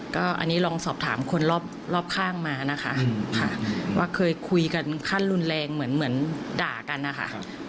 ก็อันนี้ลองสอบถามคนรอบข้างมานะคะค่ะว่าเคยคุยกันขั้นรุนแรงเหมือนด่ากันนะคะ